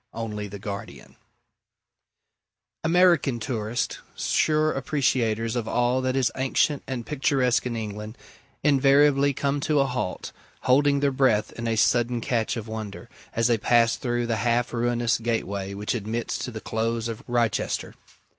ONLY THE GUARDIAN American tourists, sure appreciators of all that is ancient and picturesque in England, invariably come to a halt, holding their breath in a sudden catch of wonder, as they pass through the half ruinous gateway which admits to the Close of Wrychester.